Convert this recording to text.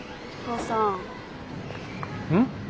うん？